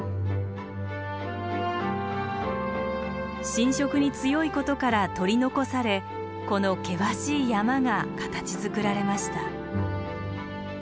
浸食に強いことから取り残されこの険しい山が形づくられました。